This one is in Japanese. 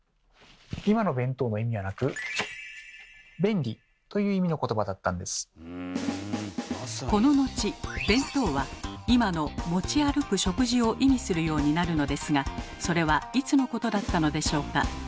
今の弁当の意味はなくこの後「便当」は今の「持ち歩く食事」を意味するようになるのですがそれはいつのことだったのでしょうか？